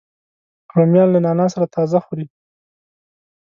رومیان له نعناع سره تازه خوري